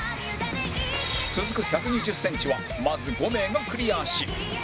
続く１２０センチはまず５名がクリアし